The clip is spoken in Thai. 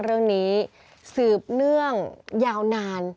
เรื่องนี้สืบเนื่องยาวนาน